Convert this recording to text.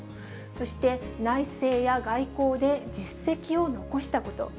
そして内政や外交で実績を残したこと。